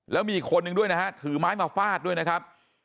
แล้วมีอีกคนนึงด้วยนะฮะถือไม้มาฟาดด้วยนะครับ